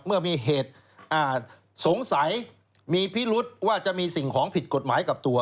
เมื่อมีเหตุสงสัยมีพิรุษว่าจะมีสิ่งของผิดกฎหมายกับตัว